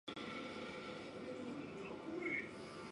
この危機的状況、分かっていないのかもしれない。